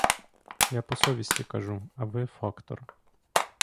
Я по совісті кажу, а ви — фактор!